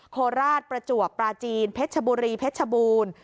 โคราชประจวบปราจีนเพชรชบุรีเพชรชบูรณ์